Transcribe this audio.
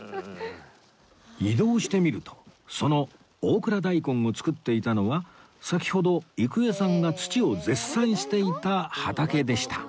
移動してみるとその大蔵大根を作っていたのは先ほど郁恵さんが土を絶賛していた畑でした